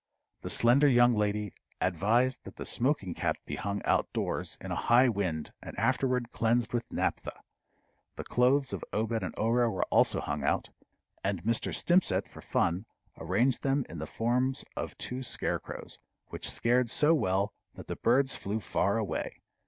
The slender young lady advised that the smoking cap be hung out doors in a high wind, and afterward cleansed with naphtha. The clothes of Obed and Orah were also hung out, and Mr. Stimpcett, for fun, arranged them in the forms of two scarecrows, which scared so well that the birds flew far away.